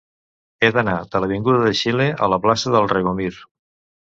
He d'anar de l'avinguda de Xile a la plaça del Regomir.